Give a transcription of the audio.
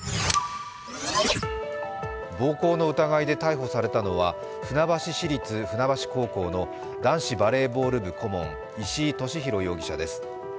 暴行の疑いで逮捕されたのは船橋市立船橋高校の男子バレーボール部顧問石井利広容疑者です。